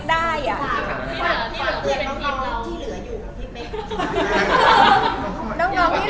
ไม่เอาแล้วอะเรากลัว